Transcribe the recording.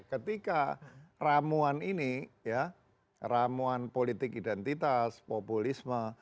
ketika ramuan ini ya ramuan politik identitas populisme